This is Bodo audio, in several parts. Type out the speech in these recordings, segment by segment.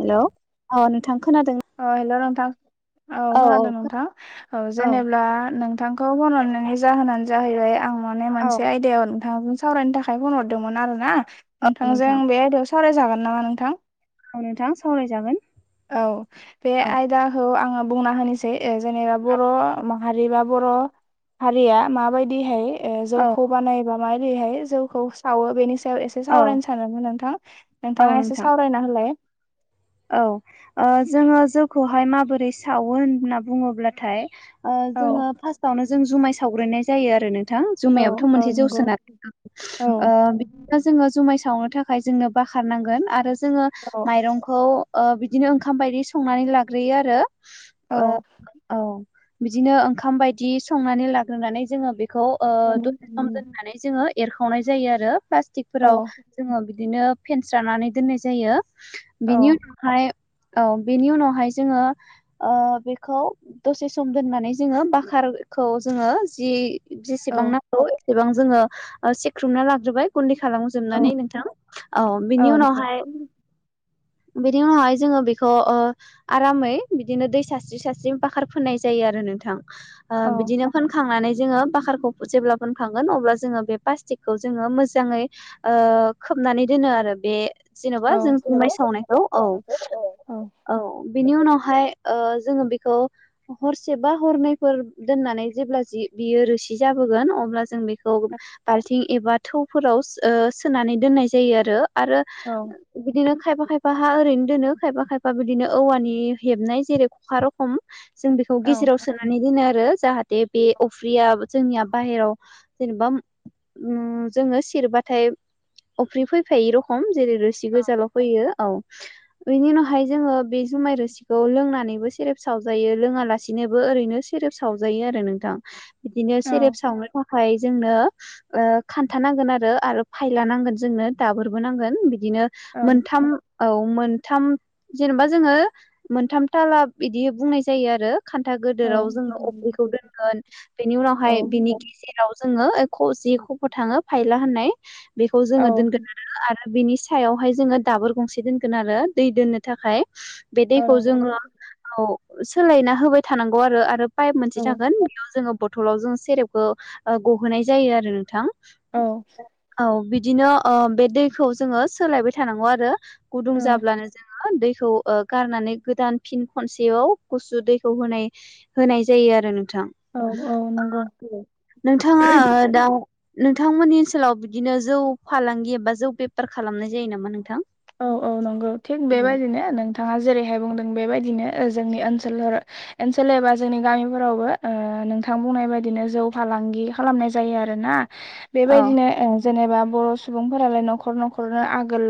हेलौ अ नोंथ ओ हेलौ नोंथां औ खोनादों नोंथां ओ औ जेनेब्ला नों थांखौ फन हरनायनि जाहोनानो जाहैबाय आं माने औ मोनसे आयदायाव नोंथांजों स सावरायनो थाखाय फन हरदोंमोन आरो ना औ नोंथांजों नोंथां बे आयदायाव सावरायजागोन नामा नोंथां? औ नोंथां सावरायजागोन। औ बे औ आयदाखौ आङो बुंना होनोसै ओ जेनेबा बर' माह हारि बा बर' हारिया माबायदिहाय ओ औ जौखौ बानाय बा माबादिहाय जौखौ सावो बेनिस सायाव एसे औ सावरायनो सानोमोन नोंथां औ नोंथाङा एसे नोंथां सावरायना होलाय? औ ओ जोङो जौखौहाय माबोरै सावो होनना बुङोब्लाथाय ओ औ जोङो फार्स्टावनो जों जुमाय सावग्रोननाय जायो आरो नों थां औ जुमायाबोथ' औ मोनसे जौसो नंगौ ना औ ओ बिद [unintelligible] ना जोङो जुमाय सावनो थाखाय जोंनो बाखार नांगोन आरो जोङो औ माइरंख खौ ओ बिदिनो ओंखाम बायदि संनानै लाग्रोयो आरो औ ओ औ बिदिनो ओंखाम बायदि संनानै लाग्रोनानै जोङो बे खौ ओ औ दसे सम दोननानै जोङो एरखावनाय जायो आरो औ प्लास्तिकफोराव जोङो बि बिदिनो फेनस्रानानै दोननाय जायो औ बिनि उनावहाय औ बेनि उनावहाय जोङो बेखौ दसे सम दोननानै जोङो बाखार खौ जोङो जि औ जेसेबां नांगौ एसेबां जोङो सिख्रुमना लाजोबबाय गुन्दैखौ औ खालामजोबनानै नोंथां औ बिनि औ औ उनावहाय [inaudible] बिनि उनावहाय जोङो बेखौ ओ आरामै बिदिनो दै सारस्रि सारस्रि बाखार फोननाय जायो आरो नोंथां ओ बिदिनो फोनखांनानै जोङो बाखारखौ जेब्ला फोनखांगोन अब्ला जोङो बे प्लास्टिकखौ जोङो मोजाङै ओ खोब नानै दोनो आरो बे औ जेनेबा जों जुमाइ सावनायखौ औ औ बिनि उनावहाय ओ जोङो बेखौ हरसे बा हरनैफोर दोननानै जेब्ला बियो रोसि जाबो गोन अब्ला जों बेखौ बाल्थिं एबा थौफोराव सोनानै दोननाय जायो आरो। आरो बिदिनो खायफा खायफा हा ओरैनो दोनो खायफा खायफा बिदिनो औवानि हेबनाय जेरै खखा रखम जों बेखौ औ गेजेराव सोनानै दोनो आरो। जाहाथे बे अफ्रिया जोंनिया बाहेराव जेनेबा उम जोङो सिरबाथाय अफ्रि फैफायै रखम जेरै रोसि गोजाल' औ उनावहाय जोङो बे जुमाय रोसिखौ लोंनानैबो सेरे सावजायो लोङा लासेनोबो ओरैनो सेरेब सावजायो आरो नोंथां। बिदिनो औ सेरेब सावनो थाखाय जोंनो ओ खान्था नांगोन आरो आरो फायला नांगोन जोंनो दाबोरबो नांगोन बिदिनो मोनथाम औ मोनथाम जेनेबा जोङो मोनथाम थाला बिदि बुंनाय जायो आरो खान्था गोदोराव जोङो अफ्रिखौ दोनगोन बेनि उनावहाय बिनि गेजेराव जोङो जि खफ' थाङो फायला होननाय बेखौ जोङो दोनगोन आरो बिनि सायावहाय जोङो दाबोर गंसे दोनगोन आरो दै दोननो थाखाय बे दैखौ जोङो औ सोलायना होबाय थानांगौ आरो आरो पाइप मोनसे थागोन बेयाव जोङो बथलाव जों सेरेफखौ गहोनाय जायो आरो नोंथां। औ। औ बिदिनो ओ बे दैखौ जोङो सोलायबाय थानांगौ आरो गुदुं जाब्लानो जों दैखौ गारनानै गोदान फिन खनसेयाव गुसु दैखौ होनाय होनाय जायो आरो नोंथां औ नंगौ नोंथाङा दा नोंथांमोननि ओनसोलाव बिदिनो जौ फालांगि एबा जौ बेफार खालामनाय जायो नामा नोंथां? औ औ नंगौ थिग उम बेबायदिनो नोंथाङा जेरै हायो बुंदों बेबायदिनो जोंनि ओनसोलफोराव ओनसोल एबा जोंनि गामिफोरावबो ओ नोंथां बुंनाय बायदिनो जौ फालांगि खालामनाय जायो आरो ना। औ बेबायदिनो ओ जेनेबा बर' सुबुंफोरालाय न'खर न'खरनो आगोल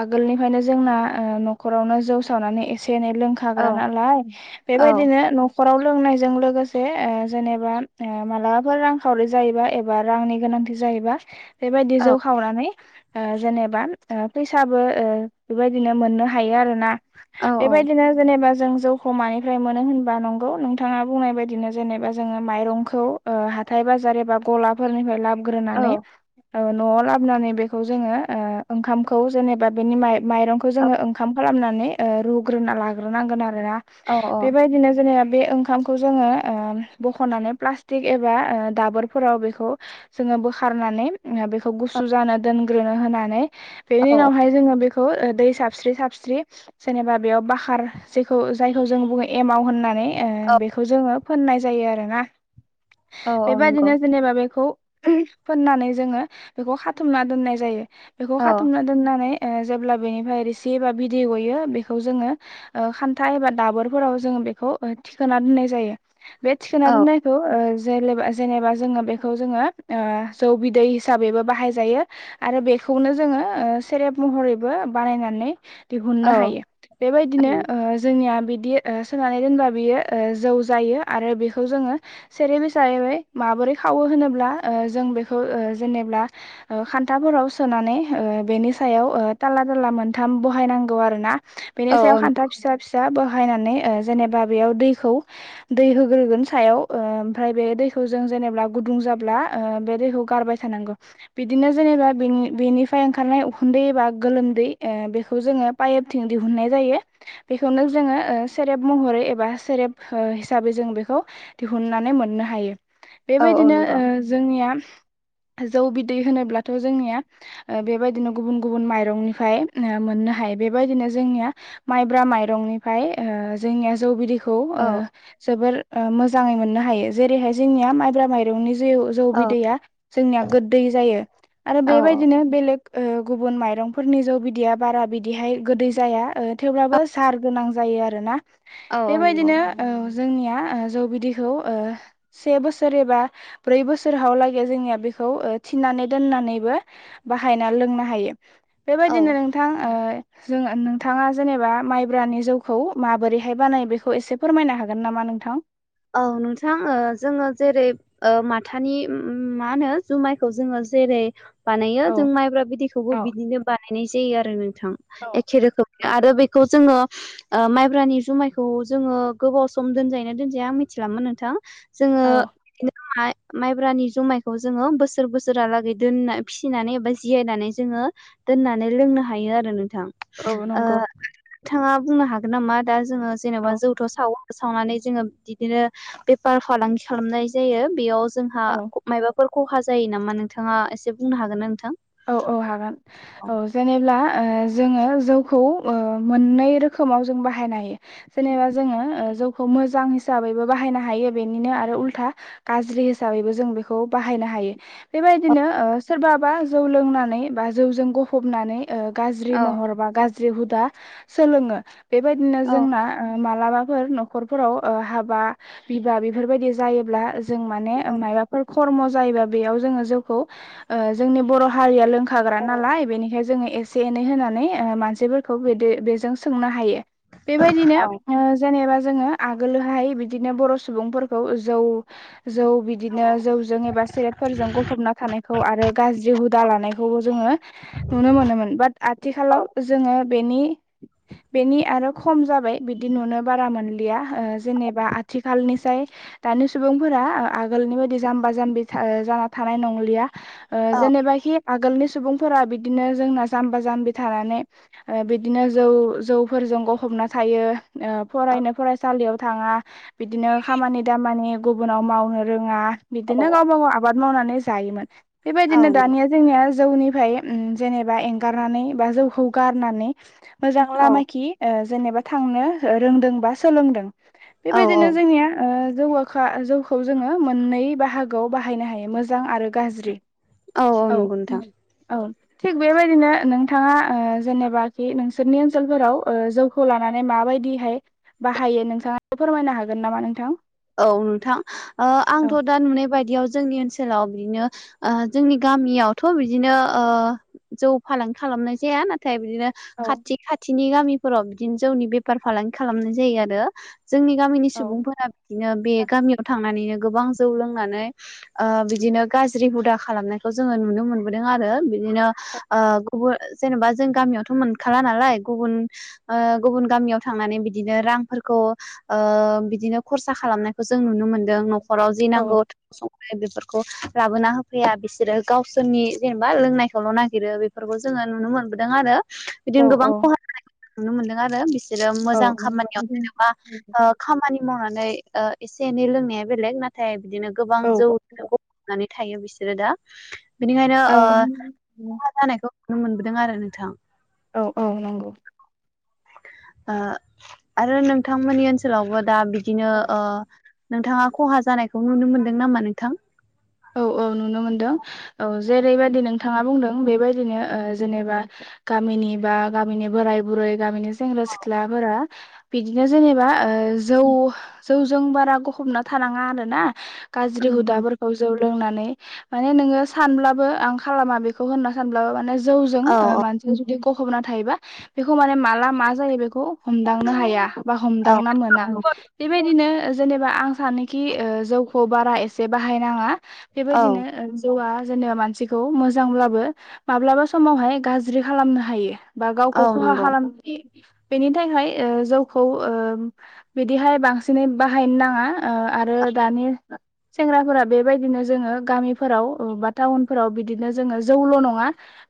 आगोलनिफ्रायनो जोंना न'खरावनो जौ सावनानै एसे एनै औ लोंखाग्रा नालाय बेबायदिनो न'खराव लोंनायजों लोगोसे ओ जेनेबा मालाबाफोर रांखावरि जायोबा एबा रांनि गोनांथि जायो जायोबा बेबायदि औ जौ सावनानै ओ जेनेबा फैसाबो बेबायदिनो मोननो हायो आरोना औ बेबायदिनो जेनेबा जों जौखौ मानिफ्राय मोनो होनबा नंगौ नोंथाङा बुंनाय बायदिनो जेनेबा जोङो माइरंखौ ओ हाथाय बाजार एबा गलाफोरनिफ्राय लाबो औ ग्रोनानै न'आव लाबोनानै बेखौ जोङो ओंखामखौ जेनेबा बेनि माइ माइरंखौ जोङो ओंखाम खालामनानै रुग्रोना लाग्रोनांगोन आरो। औ बेबायदिनो जुमाया बे ओंखामखौ जोङो ओ बखनानै प्लस्टिक एबा दाबोरफोराव बेखौ बोखारनानै बेखौ गुसु जानो दोनग्रोनो होनानै बेनि औ उनावहाय जोङो बेखौ ओ दै साबस्रि-साबस्रि जेनेबा बेयाव बाखार जेखौ जायखौ जों बुङो एमाव होननानै ओ बेखौ जोङो फोननाय जायो आरोना औ नंगौ बेबादिनो जेनेबा बेखौ फोननानै जोङो बेखौ खाथुमना दोननाय जायो बेखौ औ खा नानै जेब्ला बेनिफ्राय रोसि एबा बिदै गयो बेखौ जोङो ओ खान्था एबा दाबुरफो राव जोङो बेखौ थिखोना दोननाय जायो बे औ थिखोना दोननायखौ ओ जेलेबा जेनेबा जोङो बेखौ जोङो ओ जौ बिदै हिसाबैबो बाहाय जायो आरो बे खौनो जोङो ओ सेरेप महरैबो बानायनानै औ दिहुनो हायो बे बायदिनो ओ जोनिया बिदि ओ सोनानै दोनबा बियो ओ जौ जायो आरो बेखौ जोङो सेरेब हिसाबै माबोरै खावो होनोब्ला ओ जों बेखौ ओ जेनेब्ला ओ खान्थाफोराव सोनानै ओ बेनि सायाव ओ टाला-टाला मोनथाम बहायनांगौ आरो ना बेनि औ सायाव नंगौ खान्था फिसा-फिसा बा हायनानै ओ जेनेबा बेयाव दैखौ दै होग्रोगोन सायाव ओ ओमफ्राय बे दैखौ जों जेनेब्ला गुुंदुं जाब्ला ओ बे दैखौ गारबाय थानागौ बिदिनो जेनेबा बेनि बेनिफ फाय ओंखारनाय उखुन्दै एबा गोलोमदै ओ बेखौ जोङो पाइपथिं दिहुननाय जायो बेखौनो जोङो ओ सेरेब महरै एबा सेरेब ओ हिसाबै जों बेखौ दिहुनन्नानै मोननो हायो औ बेबायदिनो ओ नंगौ जोंनिया जौ बिदै होनोब्लाथ' जोंनिया ओ बेबायदिनो गुबुन-गुबुन माइरंनिफ्राय मोननो हायो बेबायदिनो जोंनिया माइब्रा माइरं निफ्राय ओ जोंनि जौ बिदै खौ औ ओ जोबोर ओ मोजाङै मोन हायो जेरैहाय जोंनि माइब्रा माइरंनि जिउ जौ औ बिदैया जोंनिया गोदै जायो आरो औ बेबायदिनो बेलेग ओ गुबुन माइरंफोरनि जौ बिदैया बारा बिदिहाय गोदै जाया ओ थेवब्लाबो सार गोनां जायो आरोना औ औ नंगौ बेबायदिनो ओ जोंनिया ओ जौ बिदैखौ ओ से बोसोर एबा ब्रै बोसोर हावलागै जोंनिया बे खौ ओ थिननानै दोननानैबो बाहायना लोंनो हायो औ बेबायदिनो नोंथां ओ जोङो नोंथाङा जेनेबा माइब्रानि जौखौ माबोरैहाय बानायो बेखौ एसे फोरमायनो हागोन नामा नोंथां औ नोंथां ओ जोङो जेरै ओ माथानि अम अम मा होनो जुमायखौ जोङो जेरै बानायो औ जों माइब्रा बिदैखौबो औ बिदिनो बा नाय जायो आरो नोंथां एखे रोखोम आरो बेखौ जोङो ओ माइब्रानि जुमायखौ जोङो गोबाव सम दोनजायना दोन मिथिलामोन नोंथां जोङो बिदिनो माइब्रानि जुमायखौ जोङो बोसोर बोसोरहालागै दोनना फिसिनानै एबा जिरायनानै जोङो दोननानै लोंनो हायो आरो नों थां औ ओ नंगौ नोंथाङा बुंनो हागोन नामा दा जोङो जेनेबा जौथ' सावो सावनानै जोङो बिदिनो बेफार फालांगि खालामनाय जायो बेयाव जोंहा औ माबाफोर खहा जायो नामा नोंथाङा एसे बुंनो हागोन ना नोंथां औ औ हागोन औ जेनेब्ला ओ जोङो जौखौ ओ मोननै रोखोमाव जों बाहायनो हायो जेनेबा जोङो ओ जौखौ मोजां हिसाबैबो बाहायनो हायो बेनिनो आरो उल्था गाज्रि हिसाबै जों बेखौ बाहा यनो हायो औ बेबायदिनो ओ सोरबाबा जौ लोंनानै बा जौजों गफबनानै ओ गाज्रि महर औ बा गाज्रि हुदा सोलोङो बेबायदिनो औ जोंना ओ मा लामाफोर न'खरफोराव ओ हाबा बिबा बेफोरबायदि जायोब्ला जों माने मायबाफोर खरम जायोब्ला बेयाव जोंडो जौ खौ ओ जोंनि बर'हारिया लों हाग्रा औ नालाय बेनिखाय जोङो एसे एनै होनानै ओ मानसिफोरखौ बेदि बेजों सोंना हायो बेबायदिनो ओ जेनेबा जोङो आगोलोहाय बिदिनो बर' सुबुंफोरखौ जौ जौ बिदिनो जौजों एबा सेरेटफोरजों गफबना थानायखौ आरो गाज्रि हुदा लानायखौबो जोङो नुनो मोनोमोन। बाट आथिखालाव जोङो बेनि बेनि आरो खम जाबाय बिदि नुनो बारा मोनलिया ओ जेनेबा आथिखालनिसाय दानि सुबुंफोरा आ आगोलनि बायदि जाम्बा जाम्बि जाना थानाय नंलिया। ओ औ जेनेबाखि आगोलनि सुबुंफोरा बिदिनो जोंना जाम्बा जाम्बि थानानै ओ बिदिनो जौ जौफोरजों गफब ना थायो ओ फरायसालियाव थाङा बिदिनो खामानि दामानि गुबुनाव मावनो रोङा औ बिदिनो गावबा गाव आबाद मावनानै जायोमोन। औ बेबायदिनो नंगौ। दानिया जोंनिया जौनिफाय ओ जेनेबा एंगारनानै बा जौखौ गारनानै मोजां औ लामााखि ओ जेनेबा थांनो ओ रोंदों बा सोलोंदों। औ औ बेबायदिनो जोंनिया ओ जौओखा जौखौ जोङो मोननै बाहागोआव बाहायनो हायो मोजां आरो गाज्रि औ औ। थिग बेबायदिनो नोंथाङा ओ जेनेबााखि नोंसोरनि ओनसोलफोराव ओ जौखौ लानानै माबायदि दिहाय बाहायो नोंथाङा फोरमायनो हागोन नामा नोंथां? औ नोंथां ओ औ आंथ' दा नुनाय बायदियाव जोंनि ओनसोलाव ओनसोलाव बिदिनो ओ जोंनि गामियावथ' बिदिनो ओ जौ फालांगि खालामनाय जाया नाथाय बिदिनो औ खाथि खाथिनि गामिफोराव बिदिनो जौनि बेफार फालांगि खालामनाय जायो आरो। जोंनि गामिनि औ सुबुंफोरा बिदिनो बे गामियाव थां नानैयो गोबां जौ लोंनानै ओ बिदिनो गाज्रि हुदा खालामनायखौ जोङो नुनो मोनबोदों आरो। रो बिदिनो ओ गुबु जेनेबा जों गामियावथ' मोनखाला नालाय गुबुन ओ गुबुन गामियाव थांनानै बिदिनो रांफोरखौ ओ बिदिनो खरसा खालामनायखौ जों नुनो मोन्दों न'खराव जि औ नांगौ बेफोरखौ लाबोना होफैया बिसोरो गावसोरनि जेनेबा लोंनायखौल' नागिरो बेफोरखौ जों नुनो मोनबोदों आरो। बिदिनो गोबां खहा जानाय नुनो मोनदों आरो बिस सोरो औ मोजां खामानियाव जेनेबा ओ खामानि मावनानै ओ एसे एनै लोंनाया बेलेग नाथाय बिदिनो गोबां औ जौ [unintelligible] नानै थायो बिसोरो दा। बेनिखायनो औ ओ खहा जानायखौ नुनो मोनबोदों आरो नोंथां। औ औ नंगौ। ओ आरो नोंथांमोननि ओनसोलावबो दा बिदिनो ओ नोंथाङा खहा जानायखौ नुनो मोनदों नामा नोंथां? औ। औ नुनो मोनदों औ जेरैबायदि नोंथाङा बुंदों बेबायदिनो ओ जेनेबा गामि नि बा गामिनि बोराय बुरै गामिनि सेंग्रा सिख्लाफोरा बिदिनो जेनेबा ओ जौ जौजों बारा गफबना थानाङा आरो ना औ गाज्रि हुदाफोर जौ लोंनानै माने नोङो सानब्लाबो आंखाला माबेखौ होन सानब्लाबो माने जौजों ओ औ माजों जुदि गफबना थायोबा बेखौ माने माला मा जायो बेखौ हमदांनो हाया बा हमदांना मोना। बेबायदिनो जेनेबा आं सानोखि ओ जौखौ बारा एसे बाहायनाङा। औ बेबायदिनो ओ जौवा जेनेबा मानसिखौ मोजांब्लाबो माब्लाबा समावहाय गाज्रि खालामनो हायो। बा औ गावखौ खहा नंगौ खालाम [unintelligible] बेनि थाखाय ओ जौखौ ओ बिदिहाय बांसिनै बाहायनो नाङा। ओ आरो दानि सेंग्राफोरा बेबायदिनो जोङो गामिफोराव ओ बा टाउनफोराव बिदिनो जोङो जौल' नङा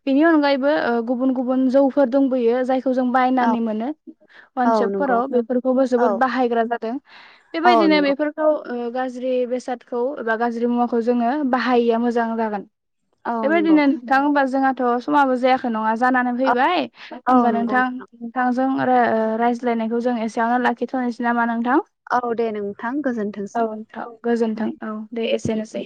बेनि अनगायैबो ओ गुबुन गुबुन जौफोर दंबोयो जाय खौ जों औ बायनानै मोनो औ नंगौ वाइनसभफोराव बेफोरखौबो औ जोबोद जादों। औ बेबादि बिदिनो नंगौ बेफोरखौ ओ गाज्रि बेसादखौ एबा गाज्रि मुवाखौ जोङो बाहायैया मोजां जागोन। औ नंगौ बेबायदिनो नोंथां होमबा जोंहाथ' समाबो जायाखै नङा जानानै औ फैबाय औ होमबा नंगौ नोंथां नोंथां ओ रायज्लायनायखौ जों एसेयावनो लाखिथ'नोसै नामा नों थां औ दे नोंथां औ गोजोनथोंसै। नोंथां गोजोन्थों। औ दे एसेनोसै।